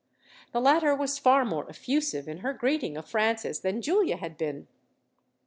The latter was far more effusive in her greeting of Francis than Giulia had been.